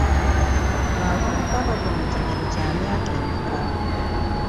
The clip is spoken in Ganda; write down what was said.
Abavubuka bagwa mu kigero kya myaka emeka?